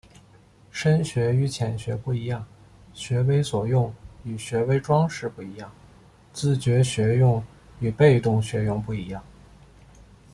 深学与浅学不一样、学为所用与学为‘装饰’不一样、自觉学用与被动学用不一样